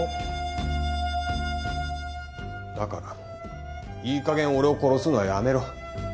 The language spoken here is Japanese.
だからいい加減俺を殺すのはやめろ。